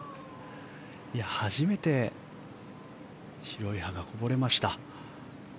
初めて白い歯がこぼれました。